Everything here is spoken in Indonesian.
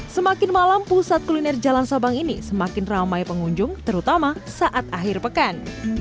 semakin malam pusat kuliner jalan sabang ini semakin ramai pengunjung terutama saat akhir pekan